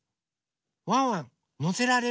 ワンワンのせられる？